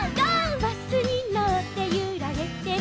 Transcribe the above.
「バスにのってゆられてる」